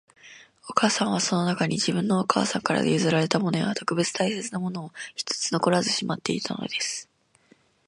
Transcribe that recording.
お母さんは、その中に、自分のお母さんから譲られたものや、特別大切なものを一つ残らずしまっていたのです